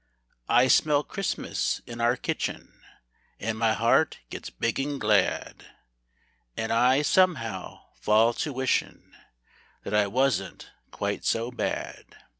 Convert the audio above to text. I smell Christmas in our kitchen, An' my heart gets big an' glad, An' I, somehow, fall to wishin', That I wasn't quite so bad.